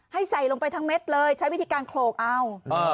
ใส่ลงไปทั้งเม็ดเลยใช้วิธีการโขลกเอา